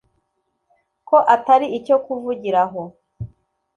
ko atari icyo kuvugira aho